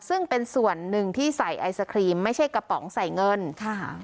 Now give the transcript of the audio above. ซึ่งเป็นส่วนหนึ่งที่ใส่ไอศครีมไม่ใช่กระป๋องใส่เงินค่ะ